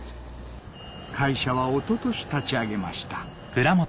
会社は一昨年立ち上げました